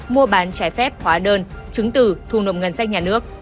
mua bán trái phép hóa đơn chứng từ thu nộp ngân sách nhà nước